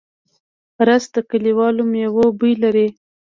رس د کلیوالو مېوو بوی لري